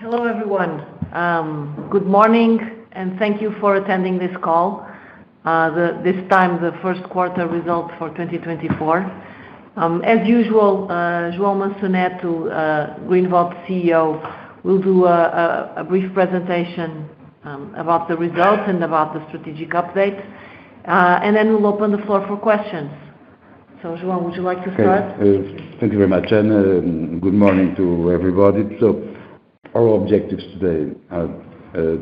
Hello, everyone. Good morning, and thank you for attending this call. This time, the First Quarter Results for 2024. As usual, João Manso Neto, Greenvolt CEO, will do a brief presentation about the results and about the strategic update. And then we'll open the floor for questions. So João, would you like to start? Thank you very much, and good morning to everybody. Our objectives today are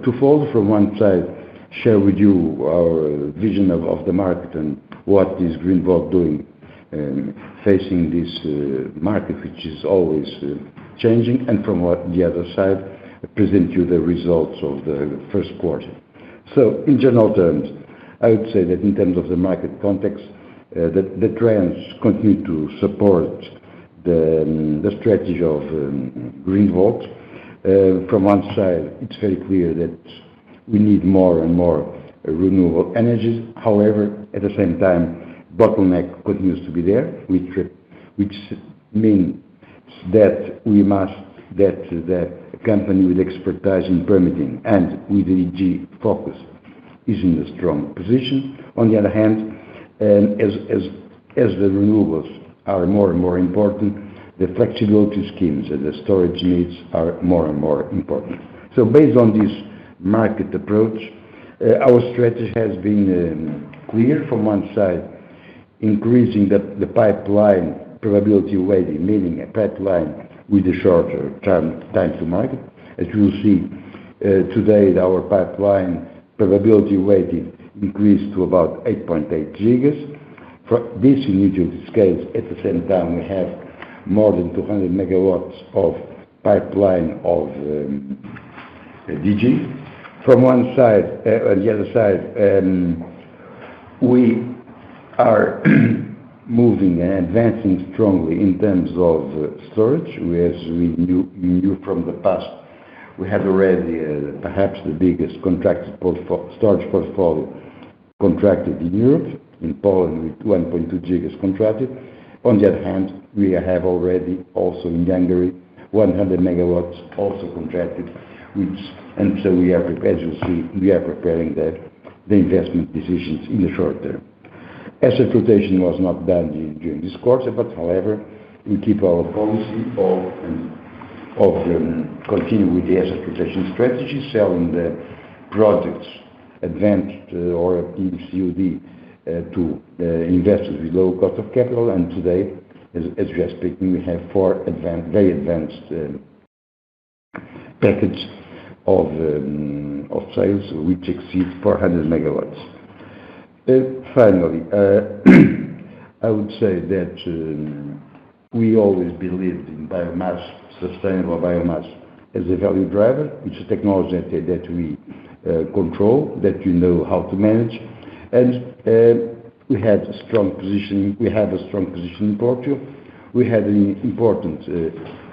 twofold. From one side, share with you our vision of the market and what is Greenvolt doing, facing this market, which is always changing. And from the other side, present you the results of the first quarter. In general terms, I would say that in terms of the market context, the trends continue to support the strategy of Greenvolt. From one side, it's very clear that we need more and more renewable energies. However, at the same time, bottleneck continues to be there, which means that the company with expertise in permitting and with DG focus is in a strong position. On the other hand, as the renewables are more and more important, the flexibility schemes and the storage needs are more and more important. So based on this market approach, our strategy has been clear. From one side, increasing the pipeline probability weighting, meaning a pipeline with a shorter term, time to market. As you'll see, today, our pipeline probability weighting increased to about 8.8 GW. For this huge scales, at the same time, we have more than 200 MW of pipeline of DG. From one side, on the other side, we are moving and advancing strongly in terms of storage. As we knew from the past, we had already, perhaps the biggest contracted storage portfolio contracted in Europe, in Poland, with 1.2 GW contracted. On the other hand, we have already also in Hungary, 100 MW also contracted, which... And so we are, as you see, we are preparing the investment decisions in the short term. Asset rotation was not done in, during this quarter, but however, we keep our policy of continuing with the asset rotation strategy, selling the projects advanced or in COD, to investors with low cost of capital. And today, as we are speaking, we have four advanced, very advanced, package of sales, which exceeds 400 MW. Finally, I would say that we always believed in biomass, sustainable biomass, as a value driver, which is technology that we control, that we know how to manage. And we had a strong position, we have a strong position in Portugal. We had an important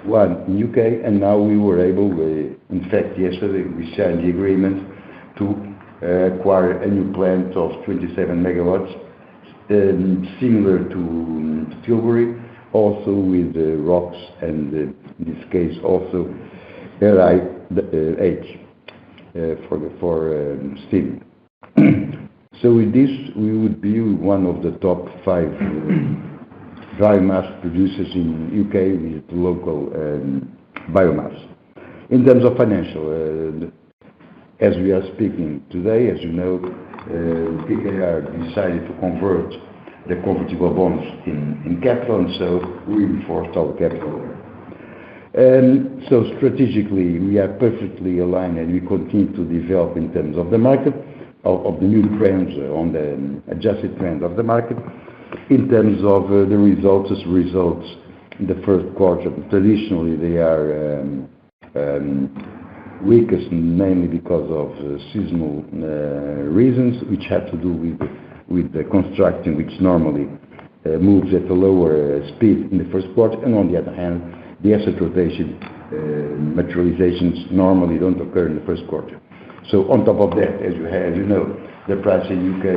one in U.K, and now we were able, in fact, yesterday, we signed the agreement to acquire a new plant of 27 MW, similar to Tilbury, also with the ROCs, and in this case, also RHI for the steam. So with this, we would be one of the top five biomass producers in U.K. with local biomass. In terms of financial, as we are speaking today, as you know, KKR decided to convert the convertible bonds in capital, and so we enforced our capital. And so strategically, we are perfectly aligned, and we continue to develop in terms of the market, of the new trends on the adjusted trend of the market. In terms of the results, as results in the first quarter, traditionally, they are weakest, mainly because of the seasonal reasons, which have to do with the, with the construction, which normally moves at a lower speed in the first quarter. And on the other hand, the asset rotation materializations normally don't occur in the first quarter. So on top of that, as you have, you know, the price in U.K.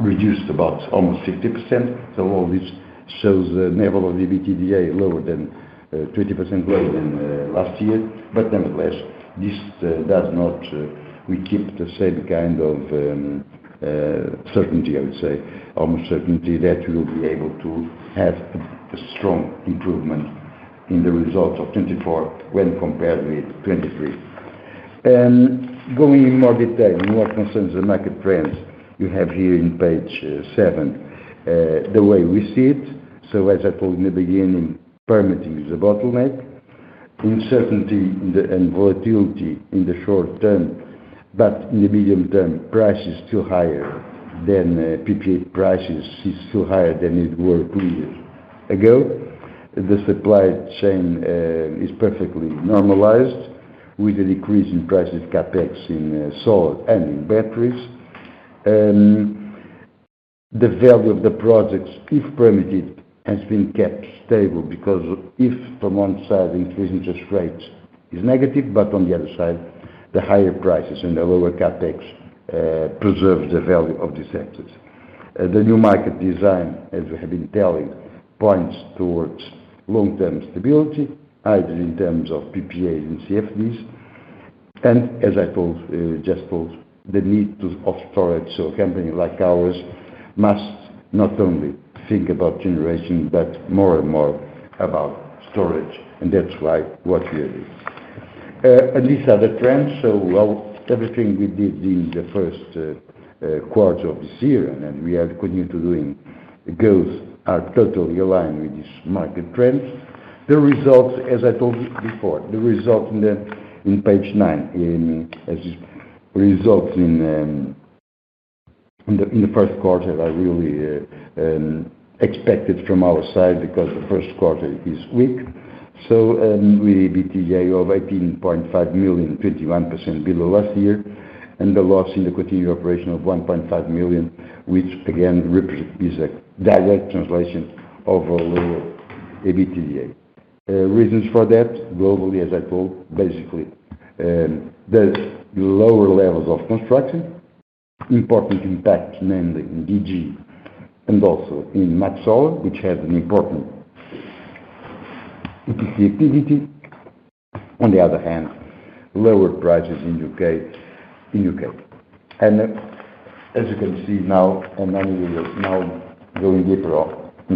reduced about almost 50%. So all this shows the level of EBITDA 20% lower than last year. But nevertheless, this does not... We keep the same kind of certainty, I would say, almost certainty, that we will be able to have a strong improvement in the results of 2024 when compared with 2023. Going in more detail in what concerns the market trends, you have here in page 7, the way we see it. So as I told you in the beginning, permitting is a bottleneck. Uncertainty and volatility in the short term, but in the medium term, price is still higher than, PPA prices is still higher than it were two years ago. The supply chain is perfectly normalized with a decrease in prices, CapEx in solar and in batteries. The value of the projects, if permitted, has been kept stable because if from one side, increase in interest rates is negative, but on the other side, the higher prices and the lower CapEx preserve the value of these assets. The new market design, as we have been telling, points towards long-term stability, either in terms of PPAs and CFDs. As I just told, the need to of storage, so a company like ours must not only think about generation, but more and more about storage, and that's why what we are doing. And these are the trends, so well, everything we did in the first quarter of this year, and then we are continuing to doing, goals are totally aligned with this market trends. The results, as I told you before, the result in the, in page nine, in as results in, in the, in the first quarter are really expected from our side, because the first quarter is weak. So, we EBITDA of 18.5 million, 21% below last year, and the loss in the continued operation of 1.5 million, which again, is a direct translation of a lower EBITDA. Reasons for that, globally, as I told, basically, there's lower levels of construction, important impact, mainly in DG and also in MaxSolar, which has an important EPC activity. On the other hand, lower prices in U.K., in U.K. And as you can see now, now you will go in deeper on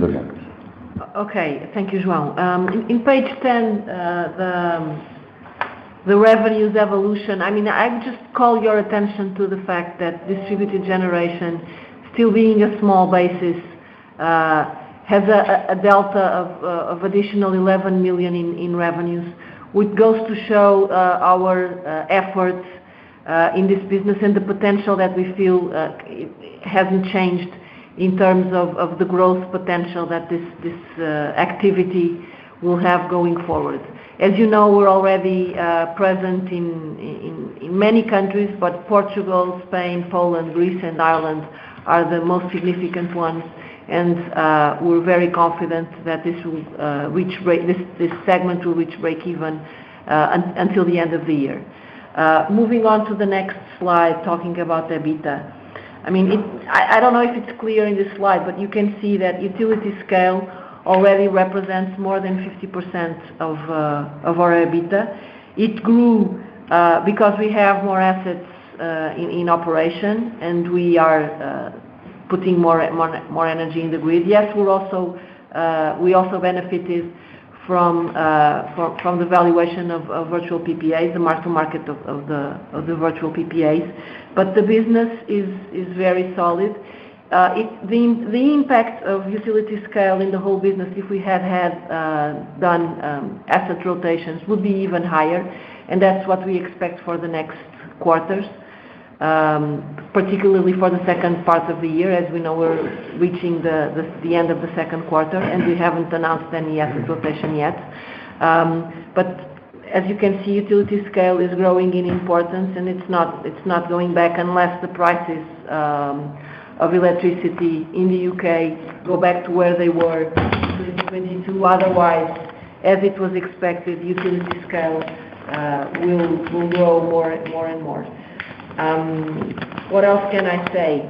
the trends. Okay. Thank you, João. In page 10, the revenues evolution, I mean, I just call your attention to the fact that distributed generation still being a small basis has a delta of additional 11 million in revenues. Which goes to show our efforts in this business and the potential that we feel hasn't changed in terms of the growth potential that this activity will have going forward. As you know, we're already present in many countries, but Portugal, Spain, Poland, Greece, and Ireland are the most significant ones, and we're very confident that this segment will reach break even until the end of the year. Moving on to the next slide, talking about the EBITDA. I mean, I don't know if it's clear in this slide, but you can see that utility scale already represents more than 50% of our EBITDA. It grew because we have more assets in operation, and we are putting more energy in the grid. Yes, we're also, we also benefited from the valuation of virtual PPAs, the market of the virtual PPAs, but the business is very solid. It's the impact of utility scale in the whole business. If we had done asset rotations, it would be even higher, and that's what we expect for the next quarters. Particularly for the second part of the year, as we know, we're reaching the end of the second quarter, and we haven't announced any asset rotation yet. But as you can see, utility-scale is growing in importance, and it's not going back unless the prices of electricity in the U.K. go back to where they were in 2022. Otherwise, as it was expected, utility-scale will grow more and more. What else can I say?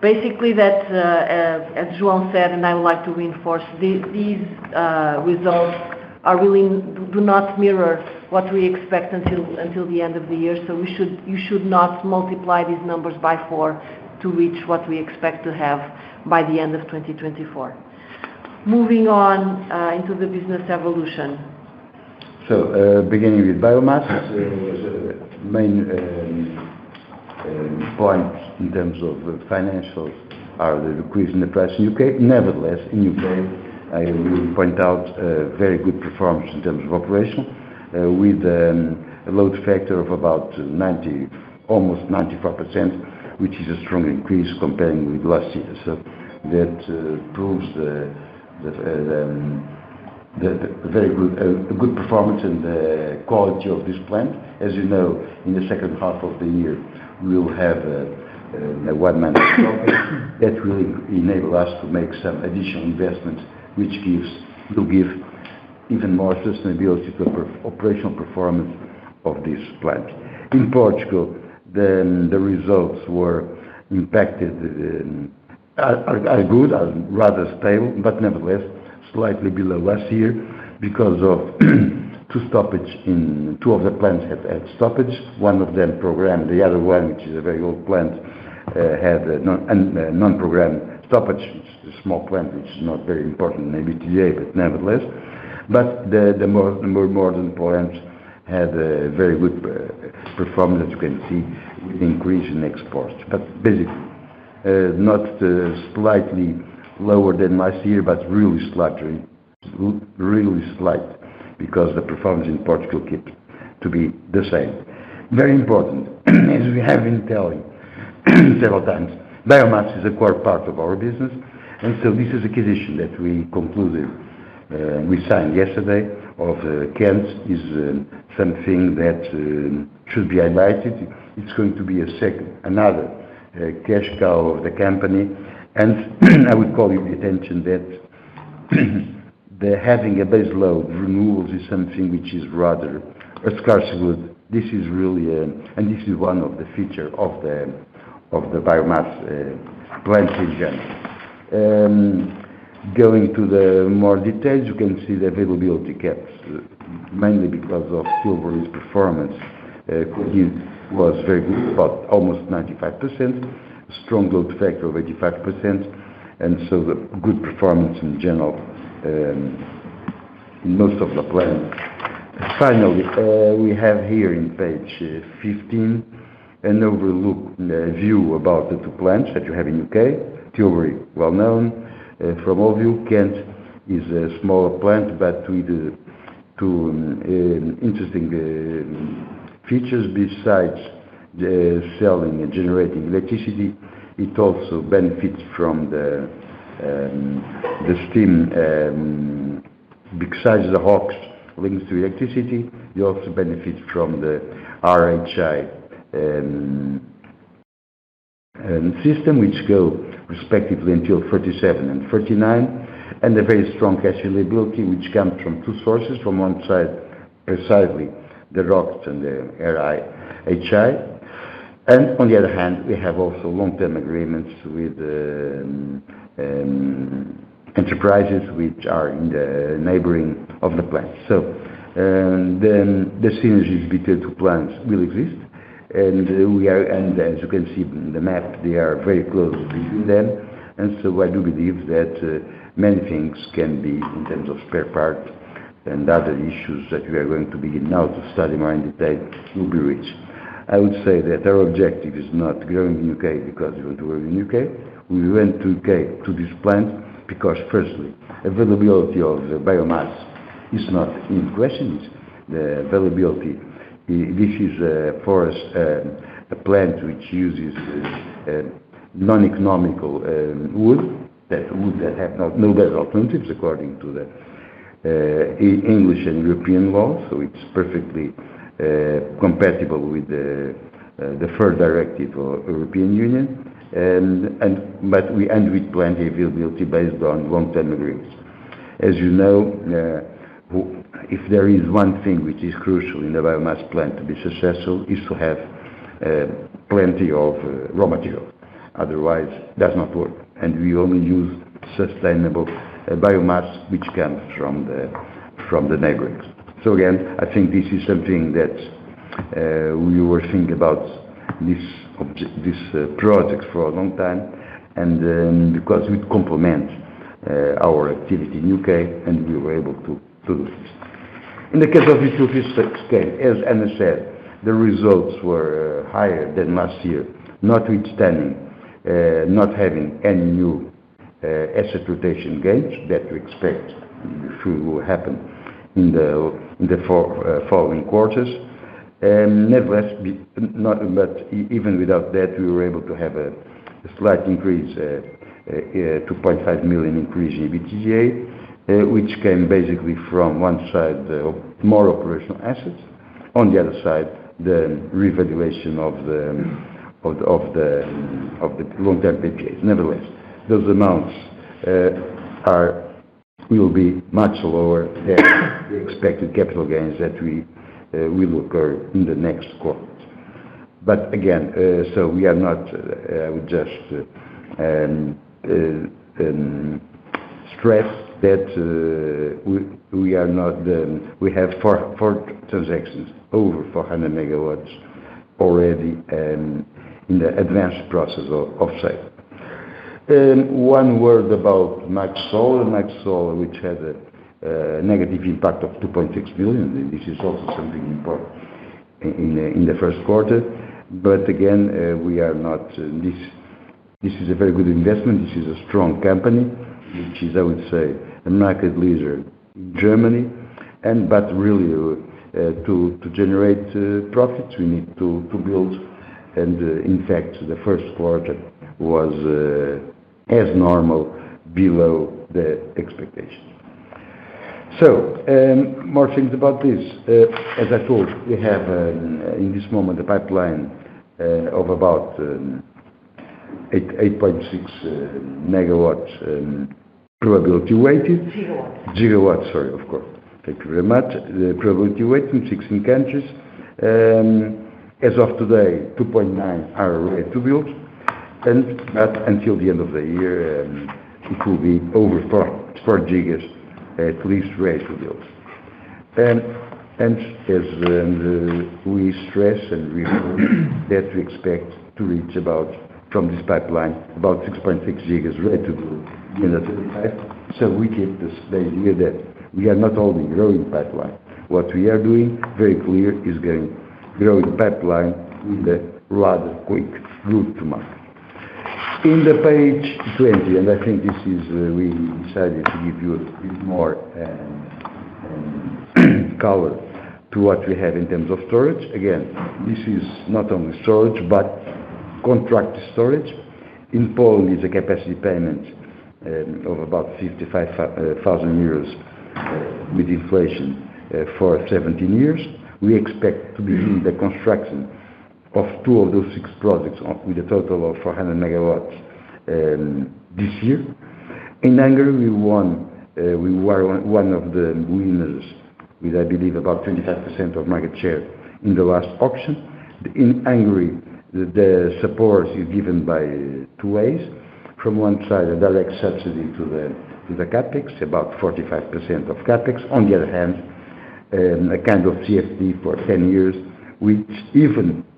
Basically, as João said, and I would like to reinforce, these results do not mirror what we expect until the end of the year. So you should not multiply these numbers by four to reach what we expect to have by the end of 2024. Moving on, into the business evolution. So, beginning with biomass, main points in terms of financials are the decrease in the price in U.K. Nevertheless, in U.K, I will point out, very good performance in terms of operation, with a load factor of about 90, almost 94%, which is a strong increase comparing with last year. So that proves the very good, a good performance and the quality of this plant. As you know, in the second half of the year, we will have a one-month stoppage. That will enable us to make some additional investments, which will give even more sustainability to the operational performance of this plant. In Portugal, the results were impacted and are good and rather stable, but nevertheless, slightly below last year because two of the plants have had stoppage. One of them programmed, the other one, which is a very old plant, had a non-programmed stoppage. It's a small plant, which is not very important in EBITDA, but nevertheless. But the more modern plants had a very good performance, as you can see, with increase in exports. But basically, slightly lower than last year, but really slightly, really slight, because the performance in Portugal keeps to be the same. Very important, as we have been telling several times, biomass is a core part of our business, and so this is acquisition that we concluded, we signed yesterday, of, Kent, is, something that, should be highlighted. It's going to be a second, another, cash cow of the company. And I would call your attention that the having a baseload renewables is something which is rather a scarce good. This is really, and this is one of the feature of the biomass plants in general. Going to the more details, you can see the availability gaps, mainly because of Tilbury's performance. It was very good, about almost 95%, strong load factor of 85%, and so good performance in general, in most of the plants. Finally, we have here in page 15, an overview about the two plants that you have in U.K. Tilbury, well-known from all of you. Kent is a smaller plant, but with two interesting features. Besides the selling and generating electricity, it also benefits from the steam, besides the ROCs links to electricity, you also benefit from the RHI system, which go respectively until 2037 and 2039, and a very strong cash availability, which comes from two sources. From one side, precisely the ROCs and the RHI. And on the other hand, we have also long-term agreements with the enterprises, which are in the neighborhood of the plant. So, then the synergies between two plants will exist, and as you can see in the map, they are very close between them, and so I do believe that many things can be in terms of spare parts and other issues that we are going to begin now to study more in detail, will be reached. I would say that our objective is not growing in U.K. because we want to work in U.K. We went to U.K, to this plant, because firstly, availability of the biomass is not in question. It's the availability. This is for us a plant which uses non-economical wood. That wood that have no better alternatives, according to the English and European law, so it's perfectly compatible with the third directive of European Union. We end with plenty availability based on long-term agreements. As you know, if there is one thing which is crucial in a biomass plant to be successful, is to have plenty of raw material. Otherwise, does not work, and we only use sustainable biomass, which comes from the neighbors. So again, I think this is something that we were thinking about this project for a long time, and because it complements our activity in U.K, and we were able to do this. In the case of utility-scale, as Anna said, the results were higher than last year, notwithstanding not having any new asset rotation gains that we expect, which will happen in the four following quarters. Nevertheless, even without that, we were able to have a slight increase, a 2.5 million increase in EBITDA, which came basically from one side, the more operational assets, on the other side, the revaluation of the long-term PPAs. Nevertheless, those amounts will be much lower than the expected capital gains that we will occur in the next quarter. But again, so we are not just stress that we have four transactions, over 400 MW already in the advanced process of sale. And one word about MaxSol. MaxSol, which had a negative impact of 2.6 million, and this is also something important in the first quarter. But again, we are not... This is a very good investment. This is a strong company, which is, I would say, a market leader in Germany. But really, to generate profits, we need to build. In fact, the first quarter was, as normal, below the expectations. More things about this. As I told you, we have, in this moment, a pipeline of about 8.6 megawatts, probability weighted. Gigawatts. Gigawatts, sorry, of course. Thank you very much. The probability-weighted in 16 countries. As of today, 2.9 are ready to build, and but until the end of the year, it will be over 4.4 GW at least ready to build. And as we stress that we expect to reach about, from this pipeline, about 6.6 GW ready to build in 2025. So we keep this, the idea that we are not only growing pipeline, what we are doing, very clear, is growing pipeline with a lot of quick good margin. On page 20, and I think this is, we decided to give you a bit more color to what we have in terms of storage. Again, this is not only storage, but contract storage. In Poland, it's a capacity payment of about 55,000 euros, with inflation, for 17 years. We expect to begin the construction of two of those six projects, with a total of 400 MW, this year. In Hungary, we won, we were one of the winners with, I believe, about 25% of market share in the last auction. In Hungary, the support is given by two ways: from one side, a direct subsidy to the CapEx, about 45% of CapEx. On the other hand, a kind of CfD for 10 years,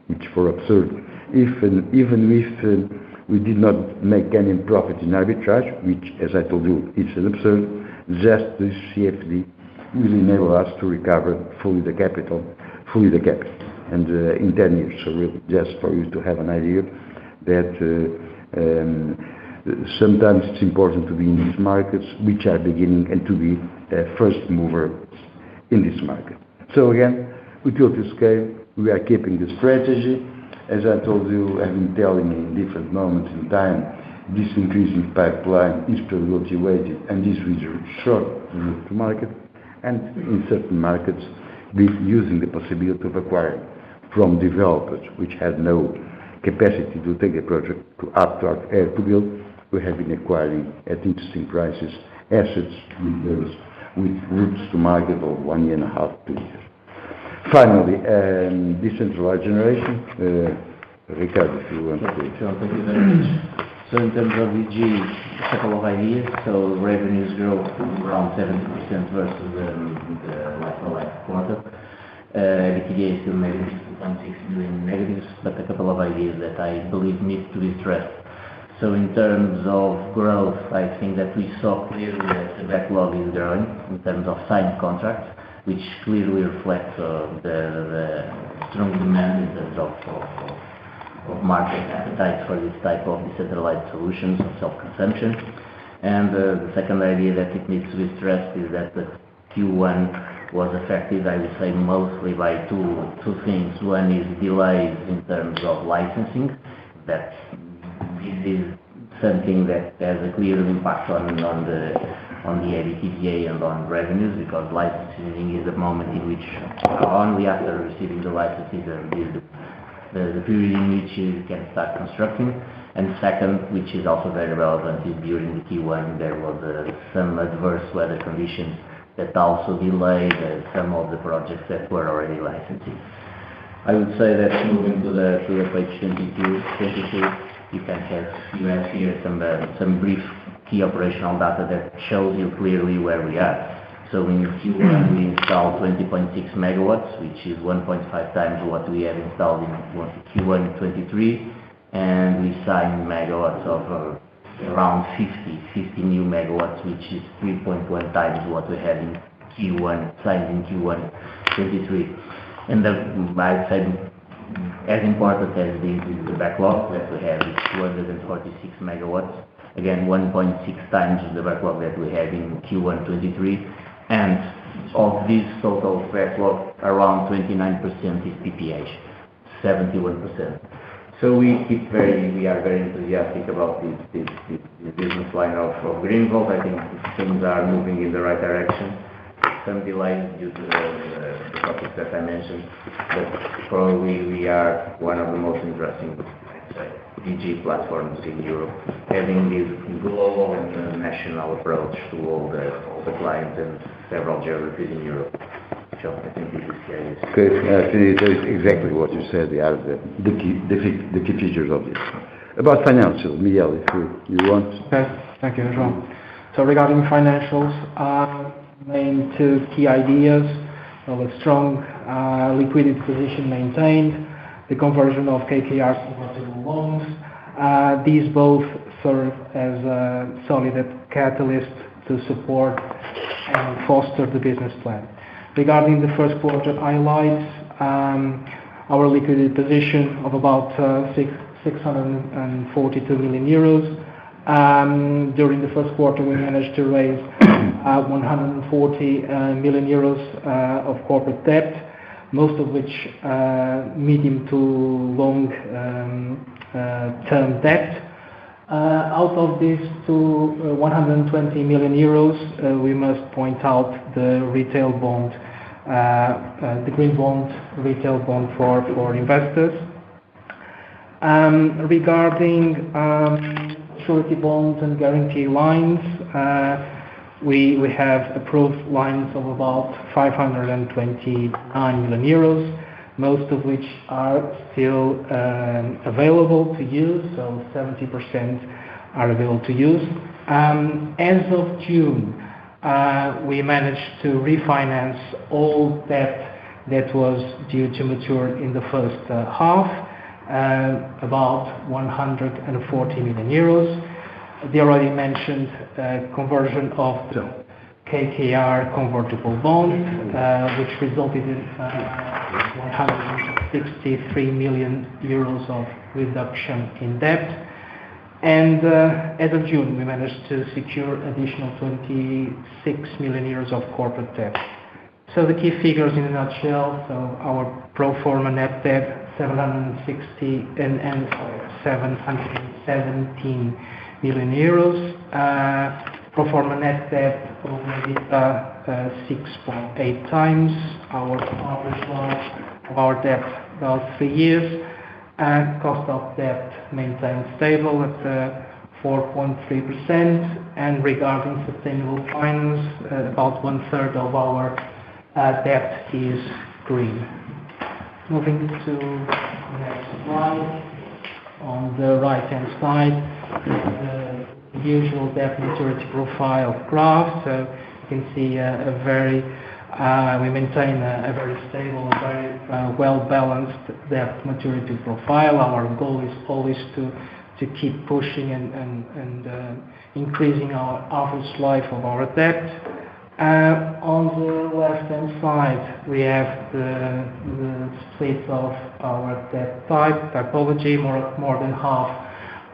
which even—which, for absurd, even if we did not make any profit in arbitrage, which, as I told you, is an absurd, just the CfD will enable us to recover fully the capital, fully the capital, and in 10 years. So just for you to have an idea that sometimes it's important to be in these markets, which are beginning, and to be a first mover in this market. So again, we built the scale, we are keeping the strategy. As I told you, I've been telling you in different moments in time, this increasing pipeline is probability-weighted, and this is short to move to market. In certain markets, we're using the possibility of acquiring from developers which have no capacity to take a project to ready to build. We have been acquiring, at interesting prices, assets with those with routes to market of 1.5 years, 2 years. Finally, decentralized generation. Ricardo, if you want to take. Sure. Thank you very much. So in terms of DG, a couple of ideas. So revenues growth around 70% versus the like-for-like quarter. EBITDA to negative 0.6 million negatives, but a couple of ideas that I believe need to be stressed. So in terms of growth, I think that we saw clearly that the backlog is growing in terms of signed contracts, which clearly reflects the strong demand in terms of market appetite for this type of decentralized solutions and self-consumption. And the second idea that it needs to be stressed is that the Q1 was affected, I would say, mostly by two things. One is delays in terms of licensing, that this is something that has a clear impact on the EBITDA and on revenues, because licensing is a moment in which only after receiving the licenses is the period in which you can start constructing. Second, which is also very relevant, is during the Q1, there was some adverse weather conditions that also delayed some of the projects that were already licensing. I would say that moving to the Q2 2022, you can have, you have here some brief key operational data that shows you clearly where we are. So in Q1, we installed 20.6 megawatts, which is 1.5 times what we have installed in Q1 in 2023, and we signed megawatts of around 50, 50 new megawatts, which is 3.1 times what we had in Q1, signed in Q1 2023. And the, I would say, as important as this is the backlog that we have is 246 megawatts. Again, 1.6 times the backlog that we had in Q1 2023. And of this total backlog, around 29% is PPA, 71%. So we keep very—we are very enthusiastic about this, this, this business line of, of Greenvolt. I think things are moving in the right direction. Some delays due to the topics that I mentioned, but probably we are one of the most interesting, I'd say, DG platforms in Europe, having this global and national approach to all the clients and several geographies in Europe. So I think this is the case. Okay, so it's exactly what you said. They are the key features of this. About financial, Miguel, if you want? Okay. Thank you, João. So regarding financials, main two key ideas. So a strong, liquidity position maintained, the conversion of KKR convertible loans. These both served as a solid catalyst to support and foster the business plan. Regarding the first quarter highlights, our liquidity position of about 642 million euros. During the first quarter, we managed to raise 140 million euros of corporate debt, most of which medium to long term debt. Out of these two, 120 million euros we must point out the retail bond, the green bond, retail bond for investors. Regarding surety bonds and guarantee lines, we have approved lines of about 529 million euros, most of which are still available to use, so 70% are available to use. As of June, we managed to refinance all debt that was due to mature in the first half, about 140 million euros. The already mentioned conversion of the KKR convertible bond, which resulted in 163 million euros of reduction in debt. As of June, we managed to secure additional 26 million euros of corporate debt. The key figures in a nutshell, our pro forma net debt, 760 and 717 million euros. Pro forma net debt over EBITDA, 6.8 times. Our average was our debt about 3 years. Cost of debt maintained stable at 4.3%. Regarding sustainable finance, about one third of our debt is green. Moving to the next slide. On the right-hand side, the usual debt maturity profile graph. So you can see, we maintain a very stable and very well-balanced debt maturity profile. Our goal is always to keep pushing and increasing our average life of our debt. On the left-hand side, we have the state of our debt type, typology. More than half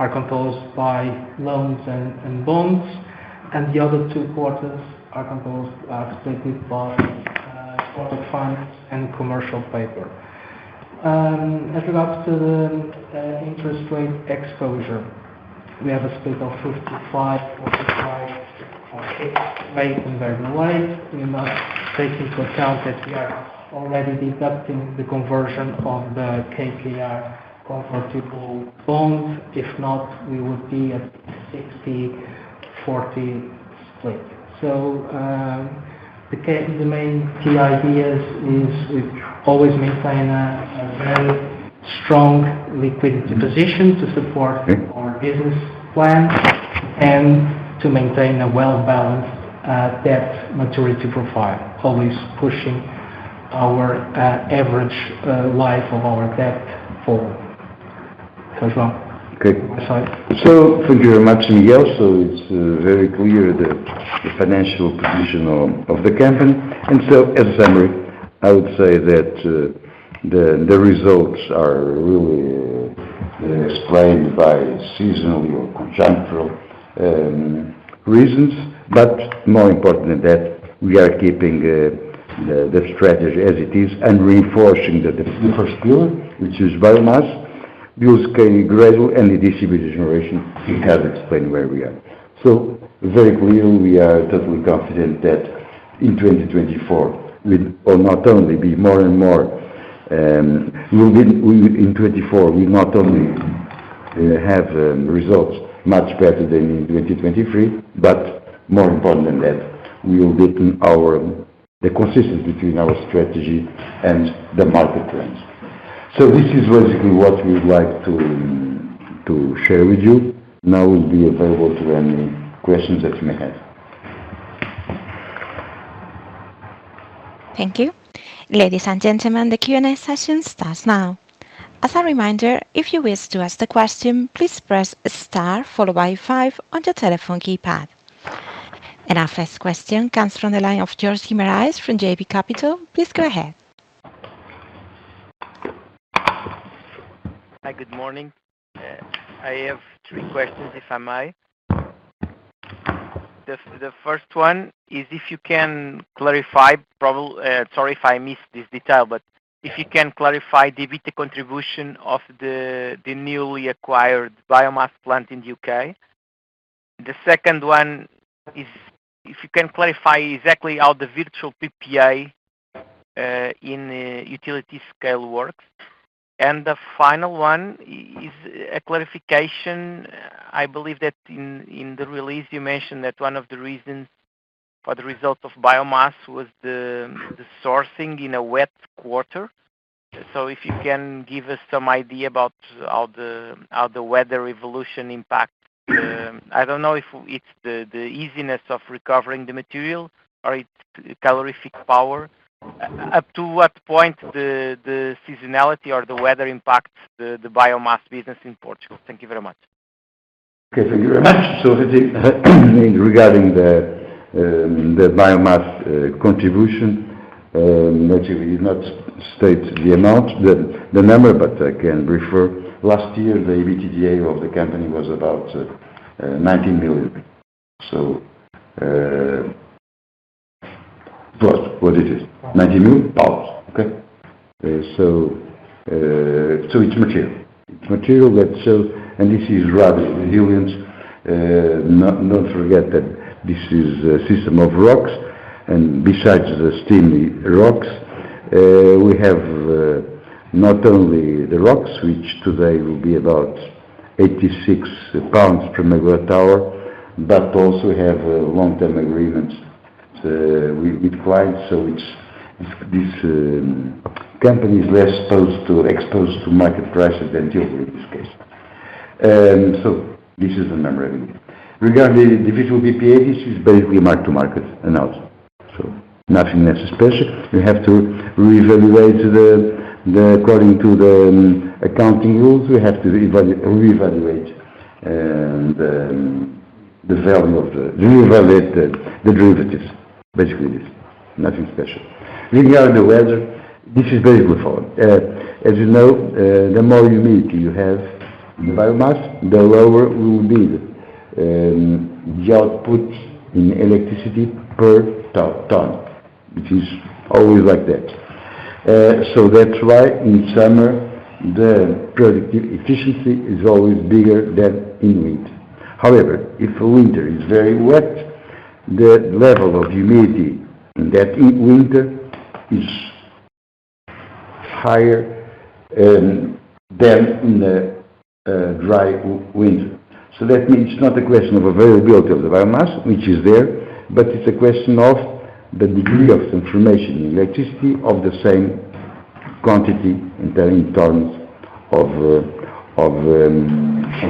are composed by loans and bonds, and the other two quarters are composed strictly by private funds and commercial paper. As regards to the interest rate exposure, we have a split of 55/55 of fixed rate and variable rate. We must take into account that we are already deducting the conversion of the KKR convertible bonds. If not, we would be at 60/40 split. The main key ideas is we've always maintained a very strong liquidity position to support our business plan and to maintain a well-balanced debt maturity profile, always pushing our average life of our debt forward. So João? Okay. My side. Thank you very much, Miguel. It's very clear, the financial position of the company. As summary, I would say that the results are really explained by seasonally or conjuncture reasons. But more important than that, we are keeping the strategy as it is and reinforcing the different fuel, which is very much. Those can gradual and the distributed generation, we have explained where we are. Very clear, we are totally confident that in 2024, we will not only have results much better than in 2023, but more important than that, we will deepen our, the consistency between our strategy and the market trends. This is basically what we would like to share with you. Now we'll be available to any questions that you may have. Thank you. Ladies and gentlemen, the Q&A session starts now. As a reminder, if you wish to ask the question, please press Star followed by Five on your telephone keypad. And our first question comes from the line of Jorge Morais from JB Capital. Please go ahead. Hi, good morning. I have three questions, if I may. The first one is if you can clarify, sorry if I missed this detail, but if you can clarify the EBITDA contribution of the newly acquired biomass plant in the U.K. The second one is if you can clarify exactly how the virtual PPA in utility scale works. And the final one is a clarification. I believe that in the release, you mentioned that one of the reasons for the result of biomass was the sourcing in a wet quarter. So if you can give us some idea about how the weather evolution impact, I don't know if it's the easiness of recovering the material or it's calorific power. Up to what point the seasonality or the weather impacts the biomass business in Portugal? Thank you very much. Okay, thank you very much. So regarding the biomass contribution, actually we did not state the amount, the number, but I can refer. Last year, the EBITDA of the company was about GBP 90 million. So it's material. It's material, but so... And this is rather risilient. Do not forget that this is a system of ROCs, and besides the steady ROCs, we have not only the ROCs, which today will be about 86 pounds per MWh, but also have long-term agreements with clients. So it's this company is less exposed to market prices than typically in this case. So this is the number I mean. Regarding the individual PPAs, this is basically a mark-to-market analysis, so nothing that's special. We have to reevaluate the. According to the accounting rules, we have to reevaluate the value of the derivatives. Basically this, nothing special. Regarding the weather, this is very good for it. As you know, the more humidity you have in the biomass, the lower will be the output in electricity per ton, which is always like that. So that's why in summer, the productive efficiency is always bigger than in winter. However, if winter is very wet, the level of humidity in that winter is higher than in a dry winter. So that means it's not a question of availability of the biomass, which is there, but it's a question of the degree of transformation into electricity of the same quantity in terms of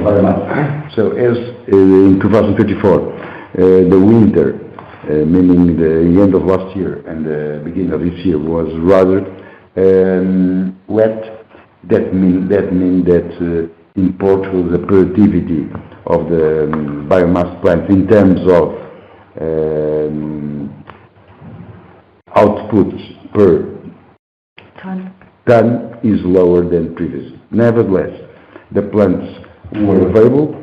biomass. So as in 2024, the winter, meaning the end of last year and the beginning of this year, was rather wet. That means that in Portugal, the productivity of the biomass plants in terms of outputs per- Ton. Ton is lower than previous. Nevertheless, the plants were available,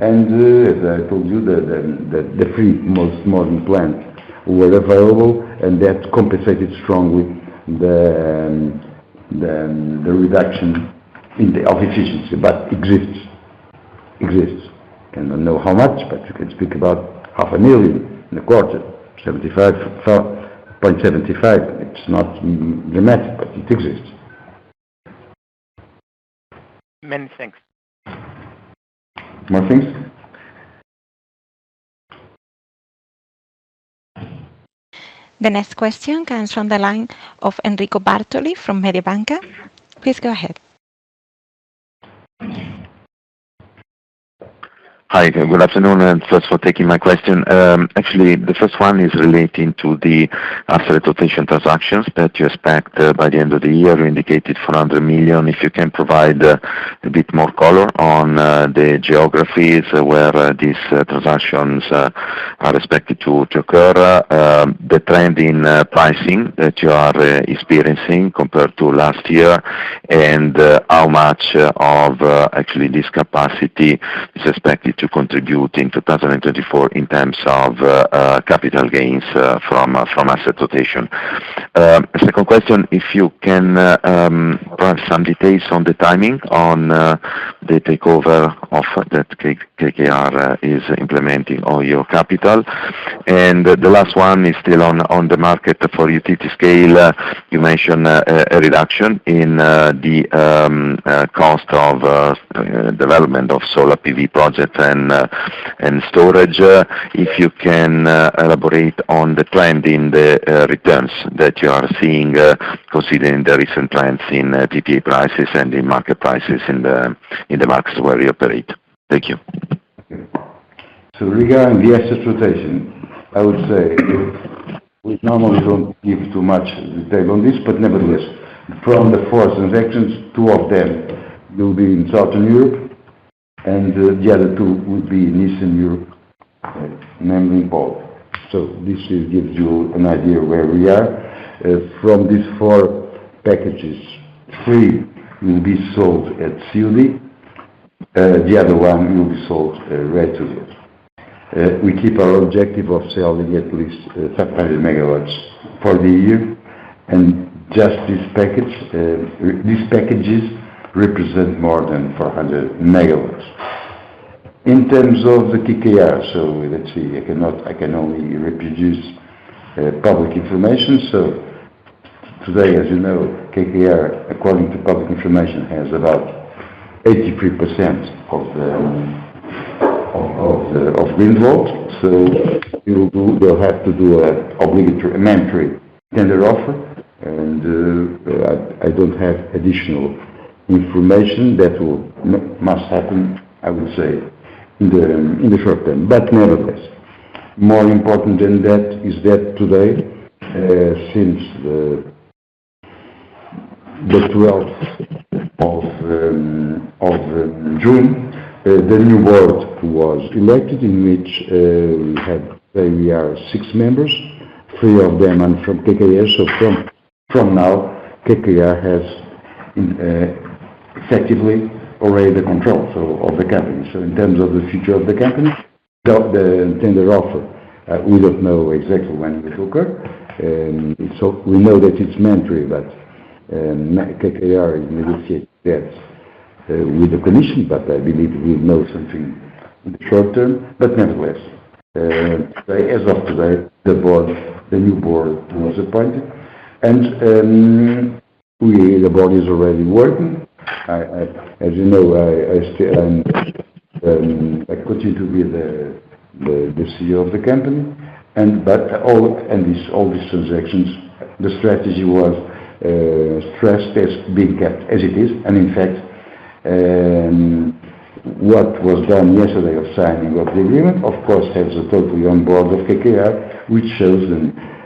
and as I told you, the three most modern plant were available, and that compensated strongly the reduction in the of efficiency, but exists. Exists. I don't know how much, but you can speak about 500,000 in the quarter, 75.75. It's not dramatic, but it exists. Many thanks. More things? The next question comes from the line of Enrico Bartoli from Mediobanca. Please go ahead. Hi, good afternoon, and thanks for taking my question. Actually, the first one is relating to the asset rotation transactions that you expect by the end of the year. You indicated 400 million. If you can provide a bit more color on the geographies where these transactions are expected to occur. The trend in pricing that you are experiencing compared to last year, and how much of actually this capacity is expected to contribute in 2024 in terms of capital gains from asset rotation? Second question, if you can provide some details on the timing on the takeover offer that KKR is implementing on your capital. And the last one is still on the market for utility scale. You mentioned a reduction in the cost of development of solar PV project and storage. If you can elaborate on the trend in the returns that you are seeing, considering the recent trends in PPA prices and in market prices in the markets where you operate? Thank you. So regarding the asset rotation, I would say, we normally don't give too much detail on this, but nevertheless, from the 4 transactions, 2 of them will be in Southern Europe, and the other 2 will be in Eastern Europe, namely Poland. So this gives you an idea where we are. From these 4 packages, 3 will be sold at COD, the other one will be sold right to it. We keep our objective of selling at least 500 megawatts for the year, and just this package... These packages represent more than 400 megawatts. In terms of the KKR, so let's see, I cannot. I can only reproduce public information. So today, as you know, KKR, according to public information, has about 83% of the Greenvolt. So you will do-- they'll have to do a obligatory, mandatory tender offer, and, I don't have additional information. That will must happen, I would say, in the short term. But nevertheless, more important than that is that today, since the twelfth of June, the new board was elected, in which, we have, we are six members, three of them are from KKR. So from, from now, KKR has, effectively already the control, so, of the company. So in terms of the future of the company, the, the tender offer, we don't know exactly when it will occur. So we know that it's mandatory, but, KKR negotiate that, with the commission, but I believe we know something in the short term. But nevertheless, as of today, the board, the new board was appointed, and, the board is already working. I, as you know, I still continue to be the CEO of the company, and but all and these, all these transactions, the strategy was stressed, has been kept as it is. And in fact, what was done yesterday of signing of the agreement, of course, has totally on board of KKR, which shows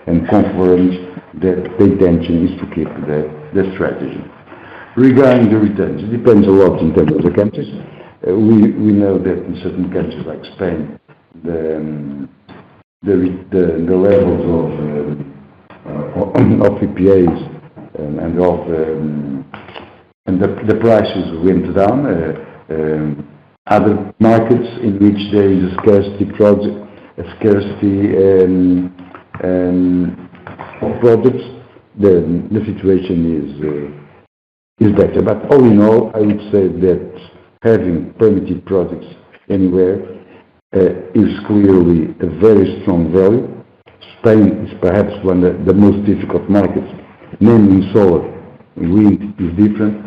and confirms that the intention is to keep the strategy. Regarding the returns, it depends a lot in terms of the countries. We know that in certain countries like Spain, the levels of PPAs and the prices went down. Other markets in which there is a scarcity of projects, the situation is better. But all in all, I would say that having permitted projects anywhere is clearly a very strong value. Spain is perhaps one of the most difficult markets, mainly in solar. Wind is different.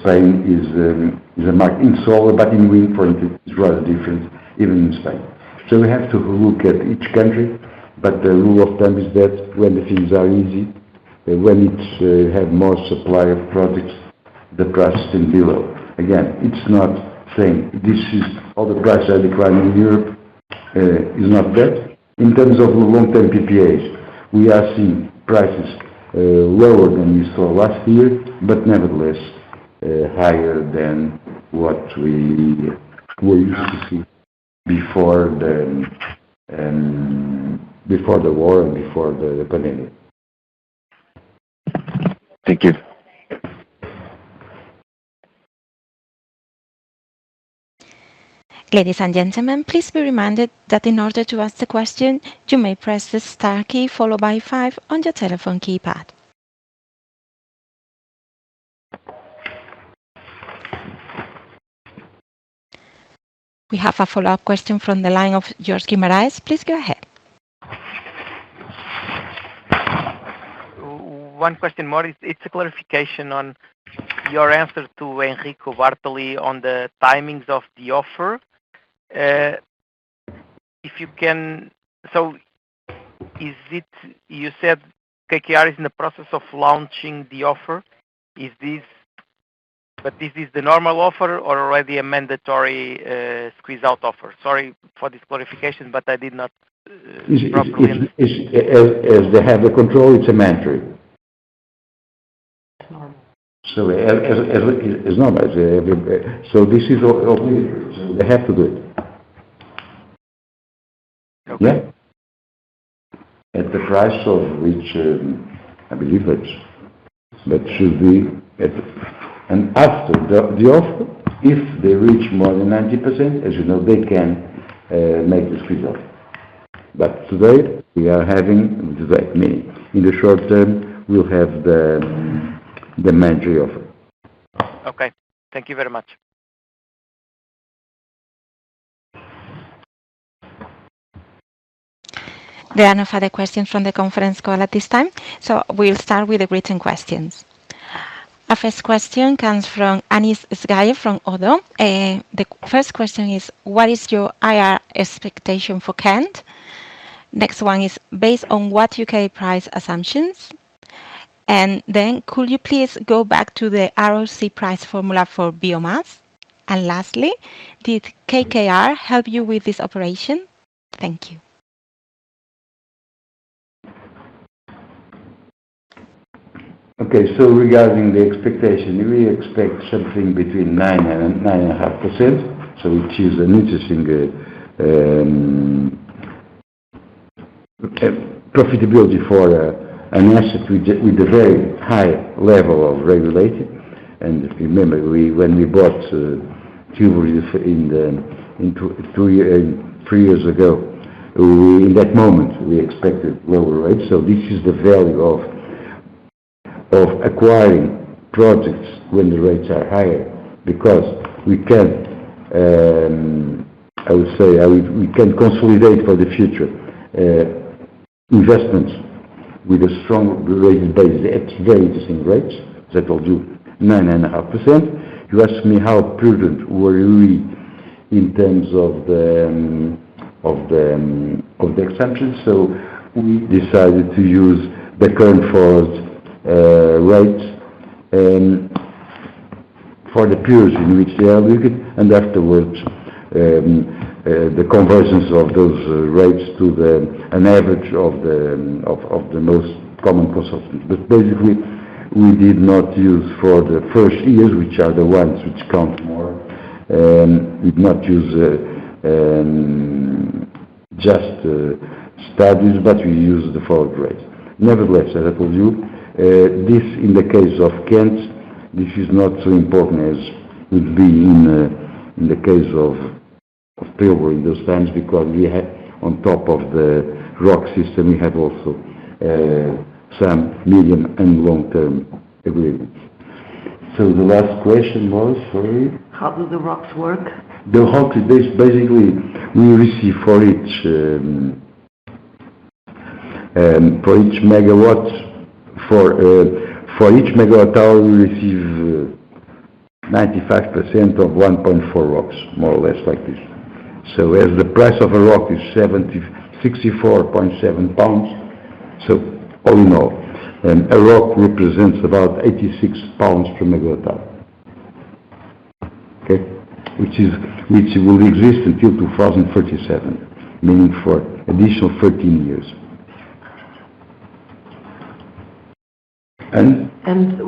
Spain is a market in solar, but in wind, for instance, it's rather different, even in Spain. So we have to look at each country, but the rule of thumb is that when the things are easy, when there is more supply of projects, the price is still below. Again, it's not saying that all the prices are declining in Europe, it's not that. In terms of long-term PPAs, we are seeing prices lower than we saw last year, but nevertheless, higher than what we were used to see before the war and before the pandemic. Thank you. Ladies and gentlemen, please be reminded that in order to ask the question, you may press the star key followed by five on your telephone keypad. We have a follow-up question from the line of Jorge Morais. Please go ahead. One question more. It's a clarification on your answer to Enrico Bartoli on the timings of the offer. If you can—So is it... You said KKR is in the process of launching the offer. Is this—But this is the normal offer or already a mandatory squeeze out offer? Sorry for this clarification, but I did not properly— As they have the control, it's a mandatory. It's normal. So, this is obviously they have to do it. Okay. Yeah. At the price of which, I believe it, that should be at. And after the offer, if they reach more than 90%, as you know, they can make the squeeze out. But today, we are having the direct meeting. In the short term, we'll have the mandatory offer. Okay. Thank you very much. There are no further questions from the conference call at this time, so we'll start with the written questions. Our first question comes from Anis Zgaya from ODDO. The first question is: What is your IR expectation for Kent? Next one is: Based on what U.K. price assumptions? And then, could you please go back to the ROC price formula for biomass? And lastly: Did KKR help you with this operation? Thank you. Okay, so regarding the expectation, we expect something between 9% and 9.5%. So which is an interesting profitability for an asset with a very high level of regulated. And if you remember, when we bought Tilbury in 2023, we, in that moment, we expected lower rates. So this is the value of acquiring projects when the rates are higher, because we can, I would say, we can consolidate for the future investments with a strong rate base. At today's rates, that will do 9.5%. You asked me how prudent were we in terms of the assumptions. So we decided to use the current forward rates for the periods in which they are with, and afterwards, the conversions of those rates to an average of the most common consultants. But basically, we did not use for the first years, which are the ones which count more, we did not use just studies, but we used the forward rates. Nevertheless, as I told you, this in the case of Kent, this is not so important as it would be in the case of Tilbury those times, because we had on top of the ROCs system, we have also some medium and long-term agreements. So the last question was, sorry? How do the ROCs work? The ROCs, basically, we receive for each megawatt hour, we receive 95% of 1.4 ROCs, more or less like this. So the price of a ROC is 64.7 pounds, so all in all, a ROC represents about 86 pounds per megawatt hour. Okay? Which will exist until 2037, meaning for additional 13 years. And?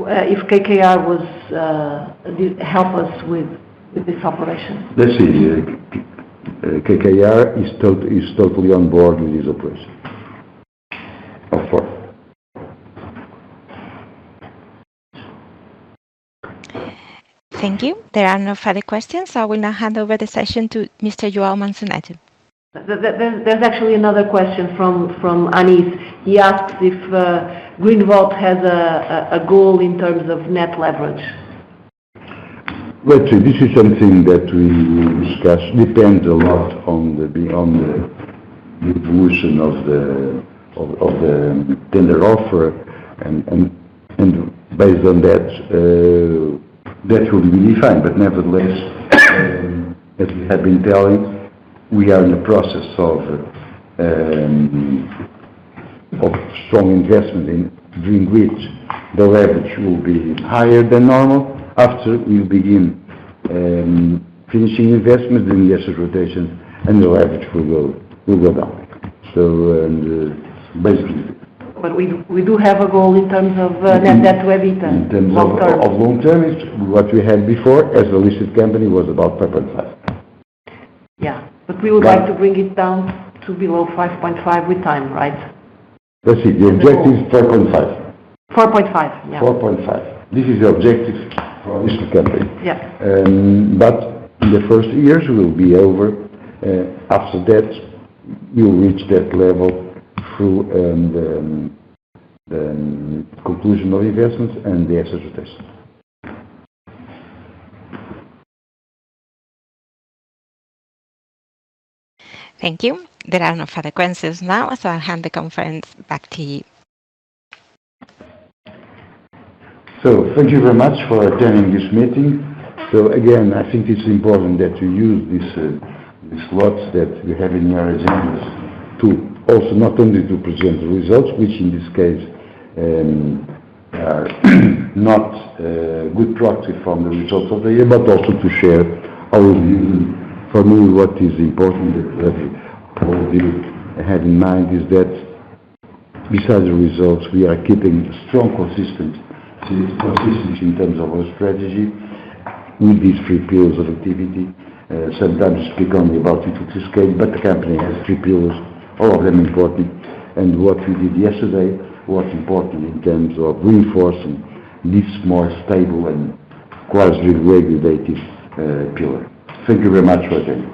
If KKR was, did help us with, with this operation. This is, KKR is totally on board with this operation. Of course. Thank you. There are no further questions. I will now hand over the session to Mr. João Manso Neto.... There's actually another question from Anis. He asks if Greenvolt has a goal in terms of net leverage? Well, this is something that we will discuss. Depends a lot on, beyond the evolution of the tender offer, and based on that, that will be defined. But nevertheless, as we have been telling, we are in a process of strong investment, during which the leverage will be higher than normal. After we begin finishing investment, then the asset rotation and the leverage will go down. So, and basically- But we do have a goal in terms of net debt to EBITDA. In terms of long term, what we had before as a listed company was about 5.5. Yeah, but we would like to bring it down to below 5.5 with time, right? That's it. The objective is 4.5. 4.5, yeah. 4.5. This is the objective for this company. Yes. But in the first years, we will be over. After that, we'll reach that level through the conclusion of investments and the asset rotation. Thank you. There are no further questions now, so I'll hand the conference back to you. Thank you very much for attending this meeting. Again, I think it's important that you use these, these slots that you have in your agendas to also not only to present the results, which in this case, are not, good proxy from the results of the year, but also to share our view. For me, what is important that we all have in mind is that besides the results, we are keeping strong, consistent, consistent in terms of our strategy with these three pillars of activity. Sometimes speak only about utility-scale, but the company has three pillars, all of them important. What we did yesterday was important in terms of reinforcing this more stable and quasi-regulatory, pillar. Thank you very much for attending.